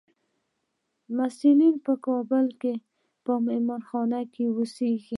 محصلین په کابل کې په مهانخانه کې اوسیږي.